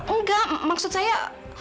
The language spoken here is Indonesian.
enggak maksud saya